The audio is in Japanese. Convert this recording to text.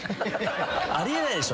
あり得ないでしょ。